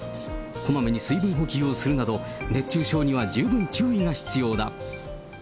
こまめに水分補給をするなど、熱中症には十分注意が必要だ。